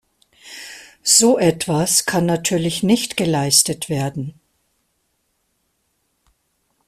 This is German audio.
So etwas kann natürlich nicht geleistet werden.